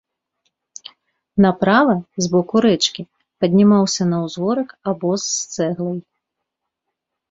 Направа, з боку рэчкі, паднімаўся на ўзгорак абоз з цэглай.